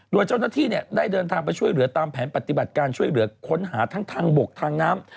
โดยเจ้าหน้าที่ได้เดินทางไปช่วยเหลือตามแผนปฏิบัติการช่วยเหลือค้นหาทั้งทางบกทางน้ำ